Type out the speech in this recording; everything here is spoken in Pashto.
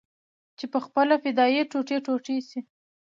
چې پخپله فدايي ټوټې ټوټې سي.